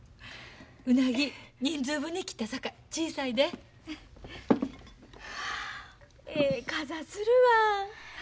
ウナギ人数分に切ったさかい小さいで。はあええかざするわ。